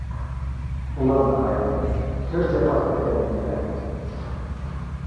ئۇلارنى ئايىدىم، كۆپ جاپا چەككەن يېتىمەك ئىدىم.